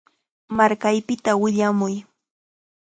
Markaypita willamuy.